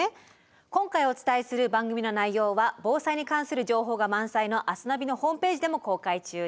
今回お伝えする番組の内容は防災に関する情報が満載の「明日ナビ」のホームページでも公開中です。